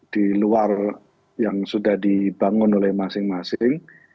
di luar yang sudah dibangun oleh masing masing